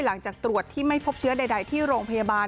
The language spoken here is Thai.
หลังจากตรวจที่ไม่พบเชื้อใดที่โรงพยาบาล